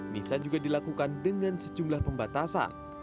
misa juga dilakukan dengan sejumlah pembatasan